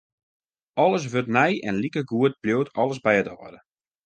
Alles wurdt nij en likegoed bliuwt alles by it âlde.